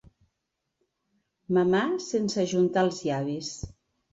Mamar sense ajuntar els llavis.